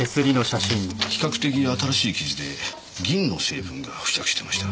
比較的新しい傷で銀の成分が付着していました。